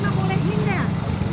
mak bolehin dah